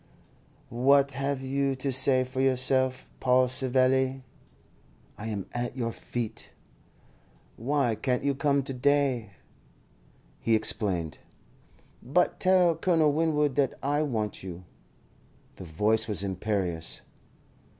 "What have you to say for yourself, Paul Savelli?" "I am at your feet." "Why can't you come to day?" He explained. "But tell Colonel Winwood that I want you" the voice was imperious.